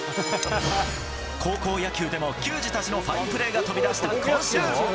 高校野球でも球児たちのファインプレーが飛び出した今週。